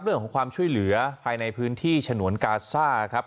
เรื่องของความช่วยเหลือภายในพื้นที่ฉนวนกาซ่าครับ